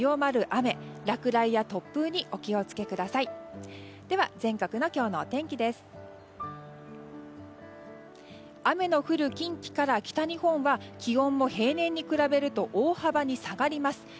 雨の降る近畿から北日本は気温も平年に比べると大幅に下がります。